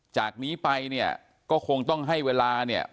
จากนี้ไปเนี่ยก็คงต้องให้เวลาเนี่ย